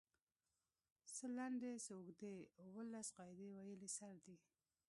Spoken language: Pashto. څۀ لنډې څۀ اوږدې اووه لس قاعدې ويلی سر دی